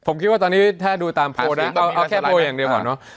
ผมคิดว่าตอนนี้ถ้าดูตามโพลนะเอาแค่โพลอย่างเดียวก่อนเนอะ